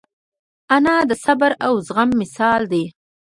انا د صبر او زغم مثال ده